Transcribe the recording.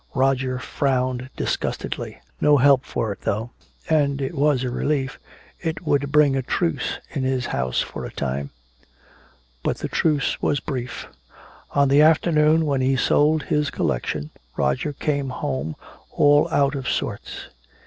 Roger frowned disgustedly. No help for it, though, and it was a relief. It would bring a truce in his house for a time. But the truce was brief. On the afternoon when he sold his collection Roger came home all out of sorts.